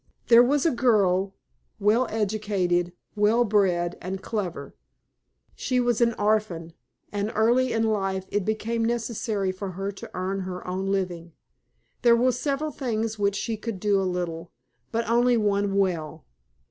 "There was a girl, well educated, well bred, and clever. She was an orphan, and early in life it became necessary for her to earn her own living. There were several things which she could do a little, but only one well.